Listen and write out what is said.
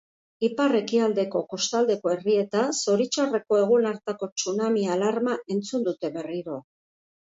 Ipar-ekialdeko kostaldeko herrietan zoritxarreko egun hartako tsunami alarma entzun dute berriro.